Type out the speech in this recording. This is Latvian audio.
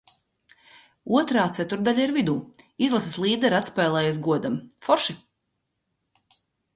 Otrā ceturtdaļa ir vidū. Izlases līdere atspēlējās godam. Forši!